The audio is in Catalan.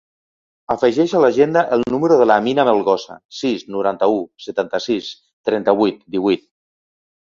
Afegeix a l'agenda el número de l'Amina Melgosa: sis, noranta-u, setanta-sis, trenta-vuit, divuit.